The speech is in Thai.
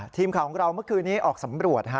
ทีมข่าวของเราเมื่อคืนนี้ออกสำรวจ